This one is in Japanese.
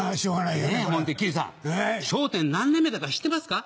球児さん『笑点』何年目だか知ってますか？